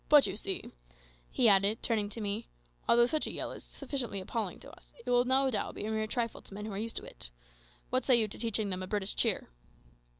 But you see," he added, turning to me, "although such a yell is sufficiently appalling to us, it will no doubt be a mere trifle to men who are used to it. What say you to teaching them a British cheer?"